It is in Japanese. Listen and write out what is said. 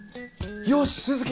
よし鈴木